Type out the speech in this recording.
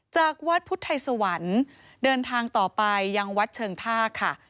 จากวัดพุทธไทยสวรรค์เดินทางต่อไปยังวัดเชิงท่าค่ะ